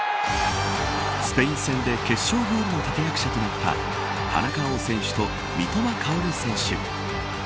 スペイン戦で決勝ゴールの立て役者となった田中碧選手と三笘薫選手。